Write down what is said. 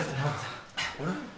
あれ？